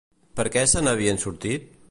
Per què se n'havien sortit?